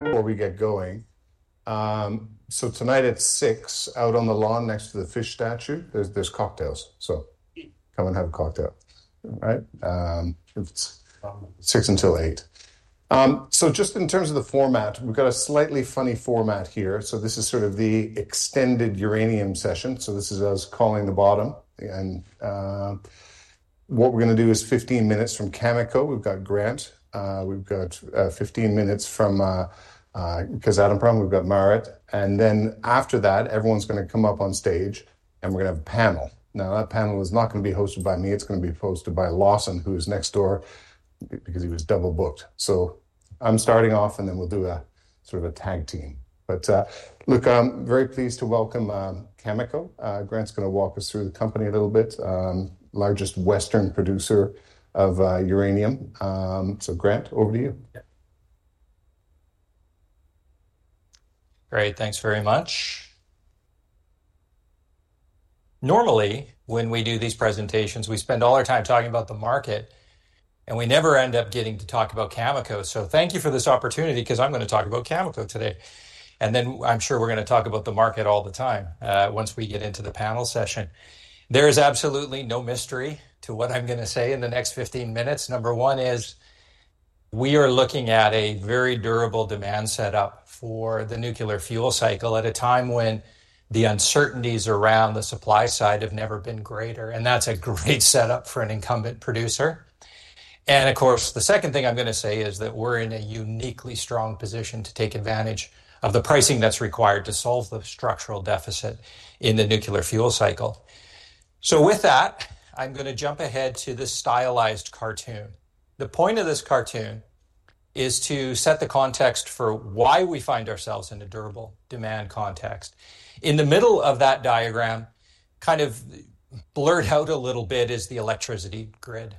Before we get going, tonight at 6:00 P.M., out on the lawn next to the fish statue, there's cocktails, so come and have a cocktail, right? 6:00 P.M. until 8:00 P.M. Just in terms of the format, we've got a slightly funny format here. This is sort of the extended uranium session. This is us calling the bottom. What we're going to do is 15 minutes from Cameco. We've got Grant. We've got 15 minutes from Kazatomprom. We've got Marit. After that, everyone's going to come up on stage, and we're going to have a panel. That panel is not going to be hosted by me. It's going to be hosted by Lawson, who is next door, because he was double booked. I'm starting off, and then we'll do a sort of a tag team. Look, I'm very pleased to welcome Cameco. Grant's going to walk us through the company a little bit, largest Western producer of uranium. So Grant, over to you. Great. Thanks very much. Normally, when we do these presentations, we spend all our time talking about the market, and we never end up getting to talk about Cameco. Thank you for this opportunity, because I'm going to talk about Cameco today. I'm sure we're going to talk about the market all the time, once we get into the panel session. There is absolutely no mystery to what I'm going to say in the next 15 minutes. Number one is, we are looking at a very durable demand setup for the nuclear fuel cycle at a time when the uncertainties around the supply side have never been greater. That's a great setup for an incumbent producer. Of course, the second thing I'm going to say is that we're in a uniquely strong position to take advantage of the pricing that's required to solve the structural deficit in the nuclear fuel cycle. With that, I'm going to jump ahead to this stylized cartoon. The point of this cartoon is to set the context for why we find ourselves in a durable demand context. In the middle of that diagram, kind of blurred out a little bit, is the electricity grid.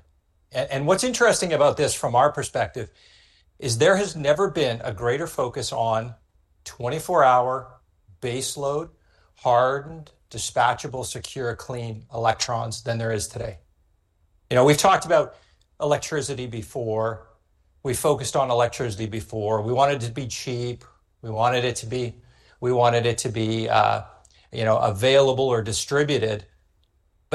What's interesting about this, from our perspective, is there has never been a greater focus on 24-hour baseload, hardened, dispatchable, secure, clean electrons than there is today. You know, we've talked about electricity before. We focused on electricity before. We wanted it to be cheap. We wanted it to be, you know, available or distributed.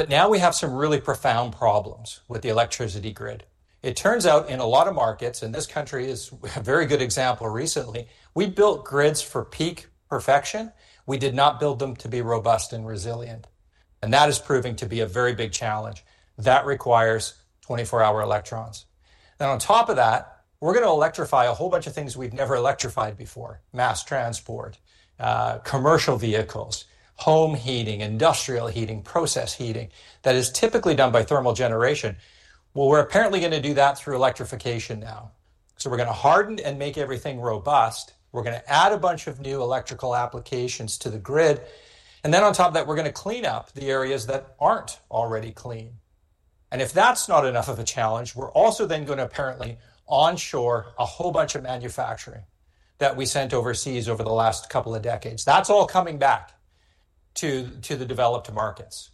Now we have some really profound problems with the electricity grid. It turns out, in a lot of markets, and this country is a very good example recently, we built grids for peak perfection. We did not build them to be robust and resilient. That is proving to be a very big challenge. That requires 24-hour electrons. On top of that, we're going to electrify a whole bunch of things we've never electrified before: mass transport, commercial vehicles, home heating, industrial heating, process heating that is typically done by thermal generation. We're apparently going to do that through electrification now. We're going to harden and make everything robust. We're going to add a bunch of new electrical applications to the grid. On top of that, we're going to clean up the areas that aren't already clean. If that's not enough of a challenge, we're also then going to apparently onshore a whole bunch of manufacturing that we sent overseas over the last couple of decades. That's all coming back to the developed markets.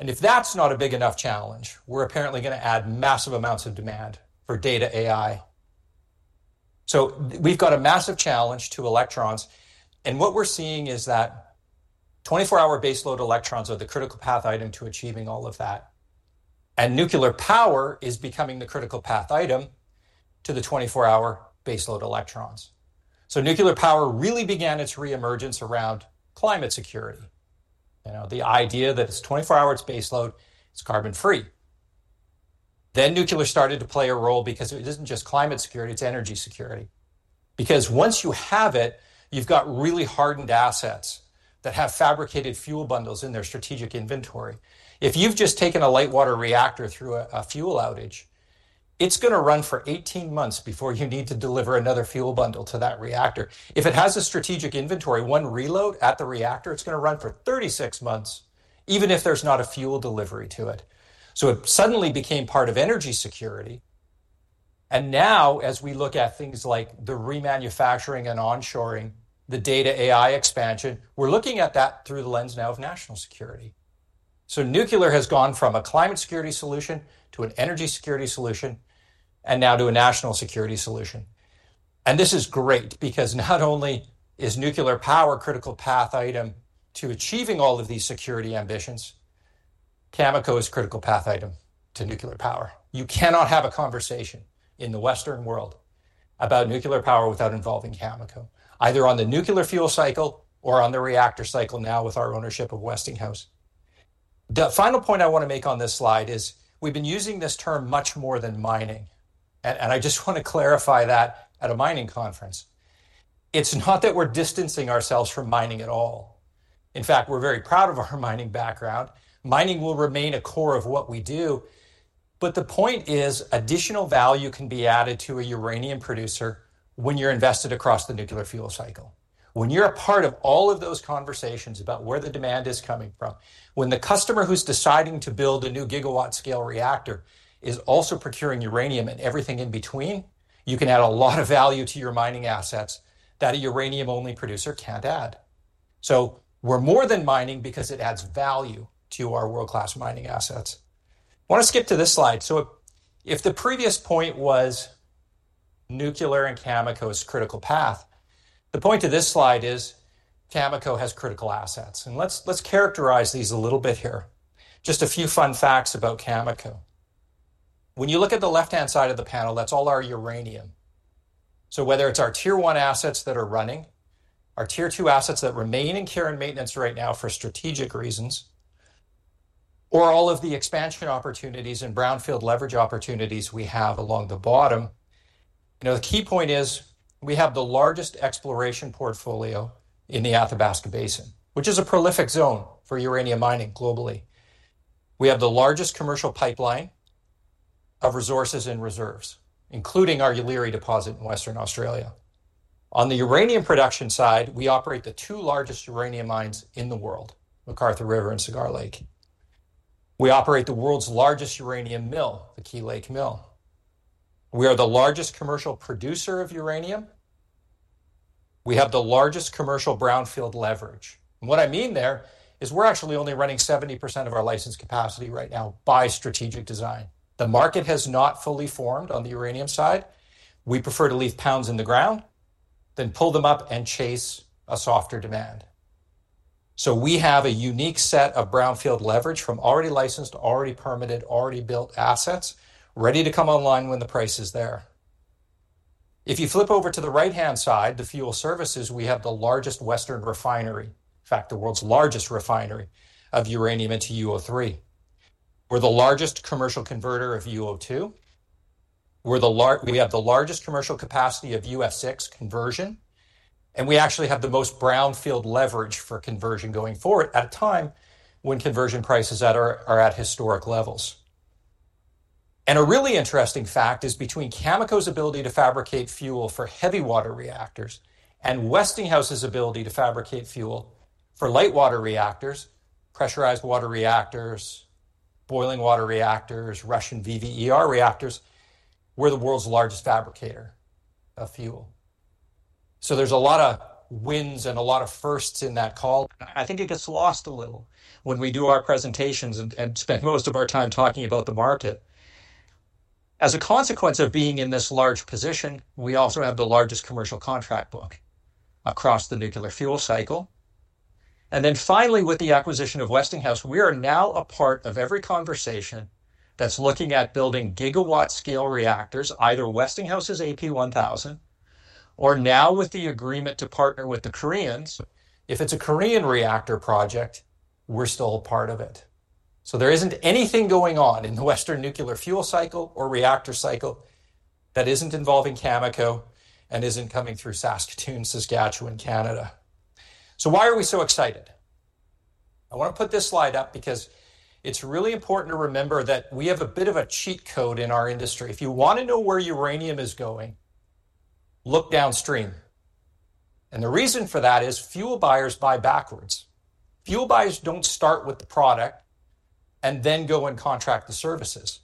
If that's not a big enough challenge, we're apparently going to add massive amounts of demand for data AI. We've got a massive challenge to electrons. What we're seeing is that 24-hour baseload electrons are the critical path item to achieving all of that. Nuclear power is becoming the critical path item to the 24-hour baseload electrons. Nuclear power really began its reemergence around climate security. You know, the idea that it's 24 hours baseload, it's carbon-free. Then nuclear started to play a role, because it isn't just climate security, it's energy security. Because once you have it, you've got really hardened assets that have fabricated fuel bundles in their strategic inventory. If you've just taken a light water reactor through a fuel outage, it's going to run for 18 months before you need to deliver another fuel bundle to that reactor. If it has a strategic inventory, one reload at the reactor, it's going to run for 36 months, even if there's not a fuel delivery to it. It suddenly became part of energy security. Now, as we look at things like the remanufacturing and onshoring, the data AI expansion, we're looking at that through the lens now of national security. Nuclear has gone from a climate security solution to an energy security solution, and now to a national security solution. This is great, because not only is nuclear power a critical path item to achieving all of these security ambitions, Cameco is a critical path item to nuclear power. You cannot have a conversation in the Western world about nuclear power without involving Cameco, either on the nuclear fuel cycle or on the reactor cycle now with our ownership of Westinghouse. The final point I want to make on this slide is, we've been using this term much more than mining. I just want to clarify that at a mining conference. It's not that we're distancing ourselves from mining at all. In fact, we're very proud of our mining background. Mining will remain a core of what we do. The point is, additional value can be added to a uranium producer when you're invested across the nuclear fuel cycle. When you're a part of all of those conversations about where the demand is coming from, when the customer who's deciding to build a new gigawatt scale reactor is also procuring uranium and everything in between, you can add a lot of value to your mining assets that a uranium-only producer can't add. We're more than mining because it adds value to our world-class mining assets. I want to skip to this slide. If the previous point was nuclear and Cameco is critical path, the point to this slide is Cameco has critical assets. Let's characterize these a little bit here. Just a few fun facts about Cameco. When you look at the left-hand side of the panel, that's all our uranium. Whether it's our tier one assets that are running, our tier two assets that remain in care and maintenance right now for strategic reasons, or all of the expansion opportunities and brownfield leverage opportunities we have along the bottom, you know, the key point is, we have the largest exploration portfolio in the Athabasca Basin, which is a prolific zone for uranium mining globally. We have the largest commercial pipeline of resources and reserves, including our Yeelirrie deposit in Western Australia. On the uranium production side, we operate the two largest uranium mines in the world, MacArthur River and Cigar Lake. We operate the world's largest uranium mill, the Key Lake Mill. We are the largest commercial producer of uranium. We have the largest commercial brownfield leverage. What I mean there is we're actually only running 70% of our licensed capacity right now by strategic design. The market has not fully formed on the uranium side. We prefer to leave pounds in the ground, then pull them up and chase a softer demand. We have a unique set of brownfield leverage from already licensed, already permitted, already built assets ready to come online when the price is there. If you flip over to the right-hand side, the fuel services, we have the largest Western refinery, in fact, the world's largest refinery of uranium into UO3. We are the largest commercial converter of UO2. We have the largest commercial capacity of UF6 conversion. We actually have the most brownfield leverage for conversion going forward at a time when conversion prices are at historic levels. A really interesting fact is between Cameco's ability to fabricate fuel for heavy water reactors and Westinghouse's ability to fabricate fuel for light water reactors, pressurized water reactors, boiling water reactors, Russian VVER reactors, we're the world's largest fabricator of fuel. There are a lot of wins and a lot of firsts in that call. I think it gets lost a little when we do our presentations and spend most of our time talking about the market. As a consequence of being in this large position, we also have the largest commercial contract book across the nuclear fuel cycle. Finally, with the acquisition of Westinghouse, we are now a part of every conversation that's looking at building gigawatt scale reactors, either Westinghouse's AP1000 or now with the agreement to partner with the Koreans. If it's a Korean reactor project, we're still a part of it. There isn't anything going on in the Western nuclear fuel cycle or reactor cycle that isn't involving Cameco and isn't coming through Saskatoon, Saskatchewan, Canada. Why are we so excited? I want to put this slide up because it's really important to remember that we have a bit of a cheat code in our industry. If you want to know where uranium is going, look downstream. The reason for that is fuel buyers buy backwards. Fuel buyers don't start with the product and then go and contract the services.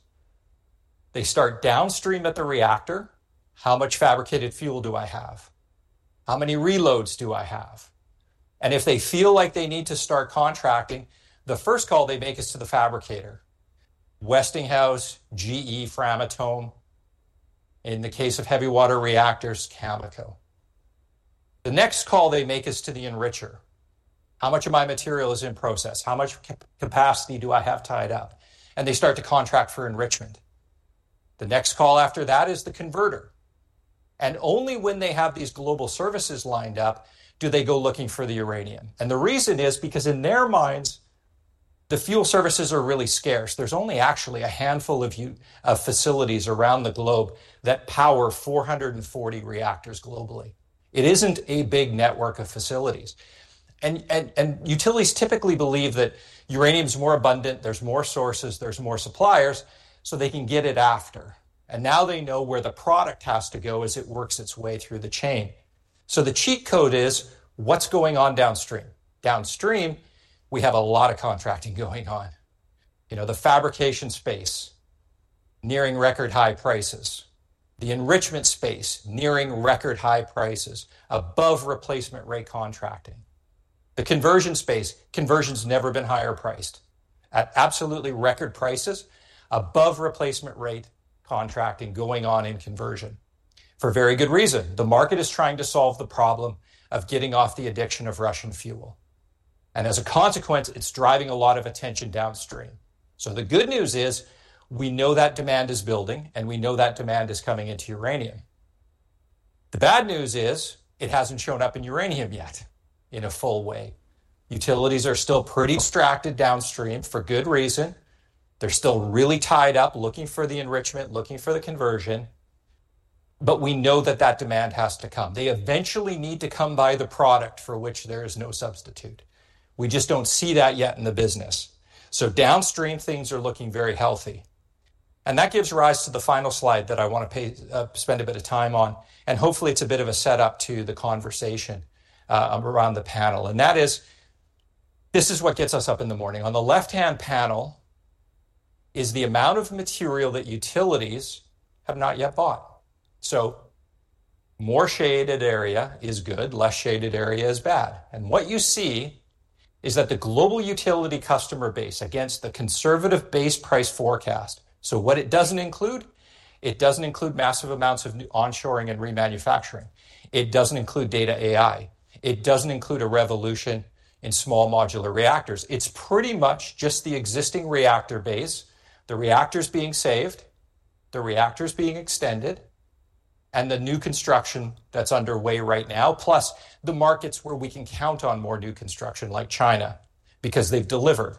They start downstream at the reactor. How much fabricated fuel do I have? How many reloads do I have? If they feel like they need to start contracting, the first call they make is to the fabricator: Westinghouse, GE, Framatome. In the case of heavy water reactors, Cameco. The next call they make is to the enricher. How much of my material is in process? How much capacity do I have tied up? They start to contract for enrichment. The next call after that is the converter. Only when they have these global services lined up do they go looking for the uranium. The reason is because in their minds, the fuel services are really scarce. There are only actually a handful of facilities around the globe that power 440 reactors globally. It is not a big network of facilities. Utilities typically believe that uranium is more abundant, there are more sources, there are more suppliers, so they can get it after. Now they know where the product has to go as it works its way through the chain. The cheat code is, what's going on downstream? Downstream, we have a lot of contracting going on. You know, the fabrication space, nearing record high prices. The enrichment space, nearing record high prices, above replacement rate contracting. The conversion space, conversion's never been higher priced. At absolutely record prices, above replacement rate contracting going on in conversion. For very good reason. The market is trying to solve the problem of getting off the addiction of Russian fuel. As a consequence, it's driving a lot of attention downstream. The good news is, we know that demand is building, and we know that demand is coming into uranium. The bad news is, it hasn't shown up in uranium yet in a full way. Utilities are still pretty distracted downstream for good reason. They're still really tied up looking for the enrichment, looking for the conversion. We know that that demand has to come. They eventually need to come buy the product for which there is no substitute. We just do not see that yet in the business. Downstream, things are looking very healthy. That gives rise to the final slide that I want to spend a bit of time on. Hopefully, it is a bit of a setup to the conversation around the panel. This is what gets us up in the morning. On the left-hand panel is the amount of material that utilities have not yet bought. More shaded area is good, less shaded area is bad. What you see is that the global utility customer base against the conservative base price forecast. What it does not include? It does not include massive amounts of onshoring and remanufacturing. It does not include data AI. It does not include a revolution in small modular reactors. It's pretty much just the existing reactor base, the reactors being saved, the reactors being extended, and the new construction that's underway right now, plus the markets where we can count on more new construction like China, because they've delivered.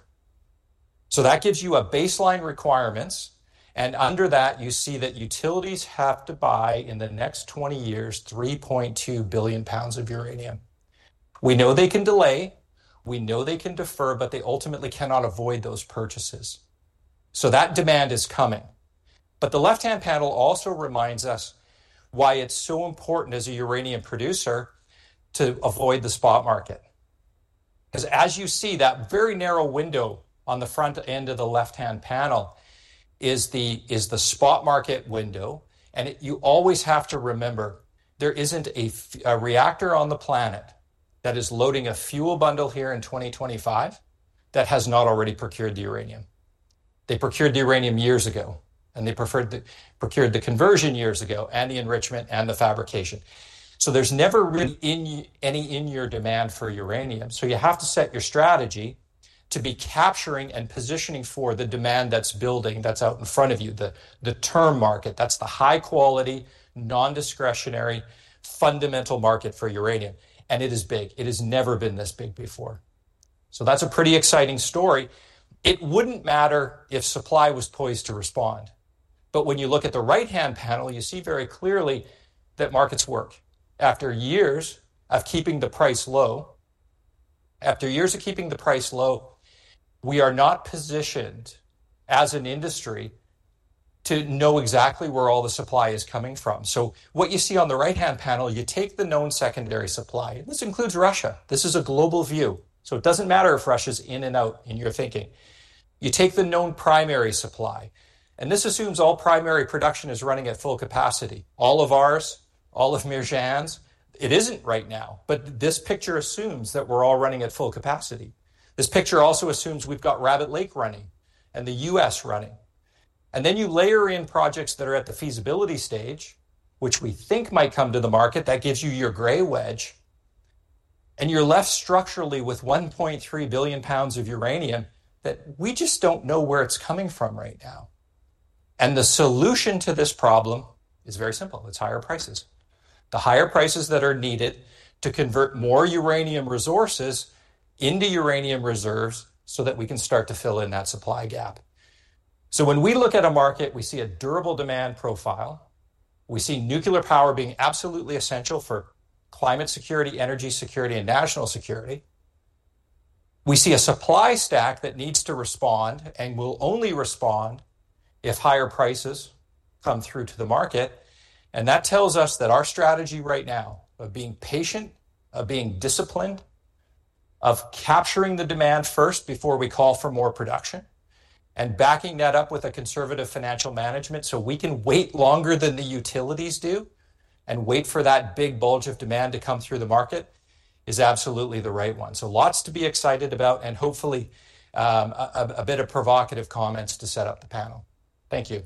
That gives you a baseline requirements. Under that, you see that utilities have to buy in the next 20 years 3.2 billion pounds of uranium. We know they can delay. We know they can defer, but they ultimately cannot avoid those purchases. That demand is coming. The left-hand panel also reminds us why it's so important as a uranium producer to avoid the spot market. As you see, that very narrow window on the front end of the left-hand panel is the spot market window. You always have to remember, there isn't a reactor on the planet that is loading a fuel bundle here in 2025 that has not already procured the uranium. They procured the uranium years ago, and they procured the conversion years ago, and the enrichment and the fabrication. There is never really any in-your demand for uranium. You have to set your strategy to be capturing and positioning for the demand that's building, that's out in front of you, the term market. That's the high-quality, non-discretionary, fundamental market for uranium. It is big. It has never been this big before. That is a pretty exciting story. It would not matter if supply was poised to respond. When you look at the right-hand panel, you see very clearly that markets work. After years of keeping the price low, we are not positioned as an industry to know exactly where all the supply is coming from. What you see on the right-hand panel, you take the known secondary supply. This includes Russia. This is a global view. It does not matter if Russia is in or out in your thinking. You take the known primary supply. This assumes all primary production is running at full capacity. All of ours, all of merchants. It is not right now, but this picture assumes that we are all running at full capacity. This picture also assumes we have got Rabbit Lake running and the U.S. running. You layer in projects that are at the feasibility stage, which we think might come to the market. That gives you your gray wedge. You are left structurally with 1.3 billion pounds of uranium that we just do not know where it is coming from right now. The solution to this problem is very simple. It is higher prices. The higher prices that are needed to convert more uranium resources into uranium reserves so that we can start to fill in that supply gap. When we look at a market, we see a durable demand profile. We see nuclear power being absolutely essential for climate security, energy security, and national security. We see a supply stack that needs to respond and will only respond if higher prices come through to the market. That tells us that our strategy right now of being patient, of being disciplined, of capturing the demand first before we call for more production, and backing that up with a conservative financial management so we can wait longer than the utilities do and wait for that big bulge of demand to come through the market is absolutely the right one. Lots to be excited about and hopefully a bit of provocative comments to set up the panel. Thank you.